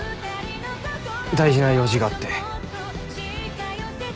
大事な用事があって。